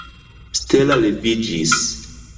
Stella leviĝis.